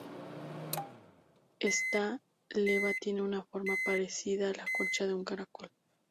Esta leva tiene una forma parecida a la concha de un caracol.